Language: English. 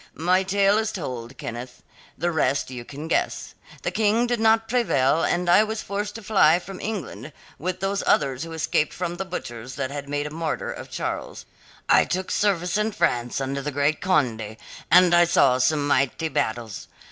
"My tale is told, Kenneth. The rest you can guess. The King did not prevail and I was forced to fly from England with those others who escaped from the butchers that had made a martyr of Charles. I took service in France under the great Conde, and I saw some mighty battles.